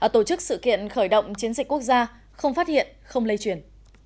tổ chức sự kiện khởi động chiến dịch quốc gia không phát hiện không lây truyền